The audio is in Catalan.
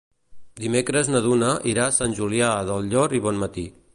Dimecres na Duna irà a Sant Julià del Llor i Bonmatí.